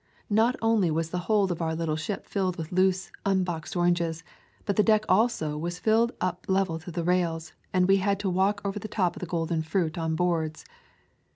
Not only was the hold of our little ship filled with loose, unboxed oranges, but the deck also was filled up level with the rails, and we had to walk over the top of the golden fruit on boards.